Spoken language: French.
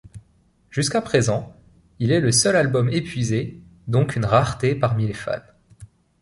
Jusqu'à présent, il est le seul album épuisé, donc une rareté parmi les fans.